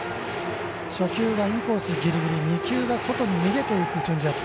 初球がインコースギリギリで２球目、外に逃げるチェンジアップ。